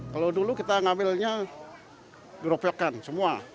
kalau dulu kita ngambilnya geropelkan semua